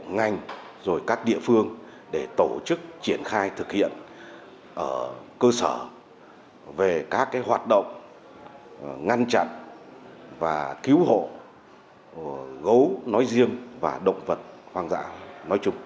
ngành rồi các địa phương để tổ chức triển khai thực hiện ở cơ sở về các hoạt động ngăn chặn và cứu hộ gấu nói riêng và động vật hoang dã nói chung